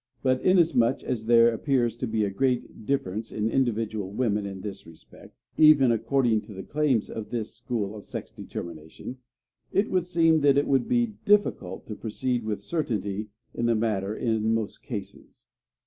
But, inasmuch as there appears to be a great difference in individual women in this respect (even according to the claims of this school of sex determination), it would seem that it would be difficult to proceed with certainty in the matter in most cases.